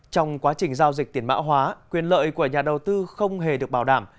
trong quá trình giao dịch tiền mã hóa quyền lợi của nhà đầu tư không hề được bảo đảm